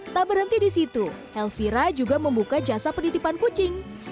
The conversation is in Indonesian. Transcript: tak berhenti di situ elvira juga membuka jasa penitipan kucing